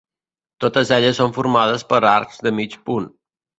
Totes elles són formades per arcs de mig punt.